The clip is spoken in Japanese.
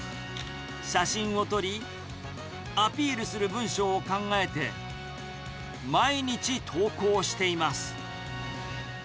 写真を撮り、アピールする文書を考えて、毎日投稿しています。